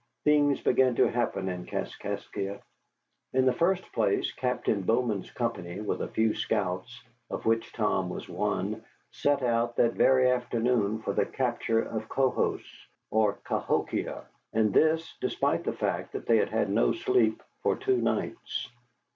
Things began to happen in Kaskaskia. In the first place, Captain Bowman's company, with a few scouts, of which Tom was one, set out that very afternoon for the capture of Cohos, or Cahokia, and this despite the fact that they had had no sleep for two nights.